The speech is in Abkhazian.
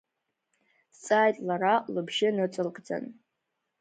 Дҵааит лара, лыбжьы ныҵалкӡан.